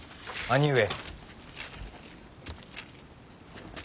兄上。